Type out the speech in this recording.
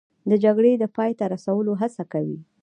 د جګړې د پای ته رسولو هڅه کوي